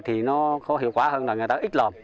thì nó có hiệu quả hơn là người ta ít lồng